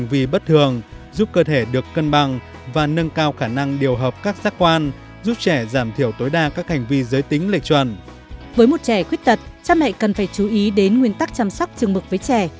với một trẻ khuyết tật cha mẹ cần phải chú ý đến nguyên tắc chăm sóc chừng mực với trẻ